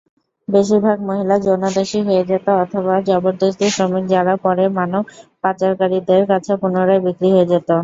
বেশির ভাগ মহিলা 'যৌন দাসী' হয়ে যেত অথবা জবরদস্তি শ্রমিক যারা পরে মানব পাচারকারীদের কাছে পুনরায় বিক্রি হয়ে যেত।